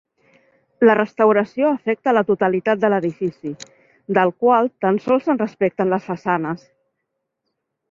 La restauració afecta la totalitat de l'edifici, del qual tan sols se'n respecten les façanes.